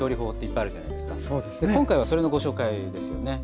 今回はそれのご紹介ですよね。